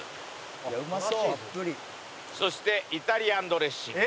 「いやうまそう！」そしてイタリアンドレッシング？